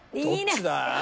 どっちだ？